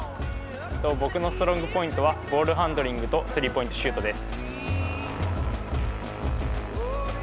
僕のストロングポイントはボールハンドリングとスリーポイントシュートです。